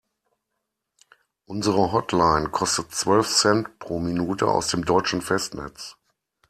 Unsere Hotline kostet zwölf Cent pro Minute aus dem deutschen Festnetz.